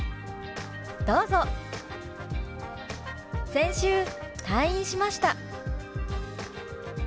「先週退院しました」。